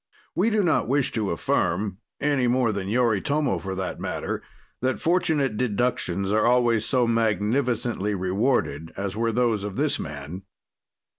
We do not wish to affirm any more than Yoritomo, for that matter that fortunate deductions are always so magnificently rewarded as were those of this man.